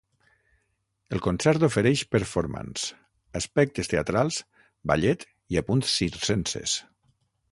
El concert ofereix performance, aspectes teatrals, ballet i apunts circenses.